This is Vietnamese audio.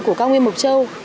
của cao nguyên mộc châu